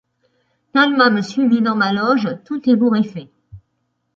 Talma me suivit dans ma loge tout ébouriffé.